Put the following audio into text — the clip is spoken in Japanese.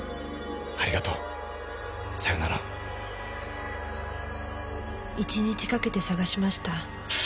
「ありがとう。さよなら」１日かけて捜しました。